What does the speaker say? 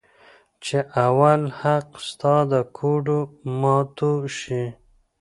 چې اول حق ستا د ګوډو ماتو شي.